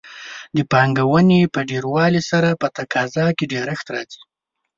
د پانګونې په ډېروالي سره په تقاضا کې ډېرښت راځي.